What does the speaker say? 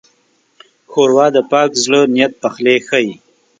ښوروا د پاک زړه نیت پخلی ښيي.